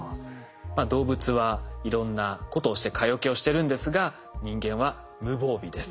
動物はいろんなことをして蚊よけをしてるんですが人間は無防備です。